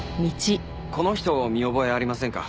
この人見覚えありませんか？